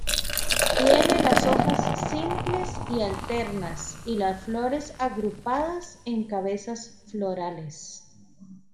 Tiene las hojas simples y alternas y las flores agrupadas en cabezas florales.